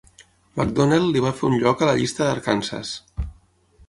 McDonnell li va fer un lloc a la llista d'Arkansas.